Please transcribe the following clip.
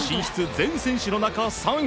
全選手の中３位。